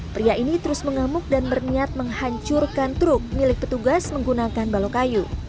pria ini terus mengamuk dan berniat menghancurkan truk milik petugas menggunakan balok kayu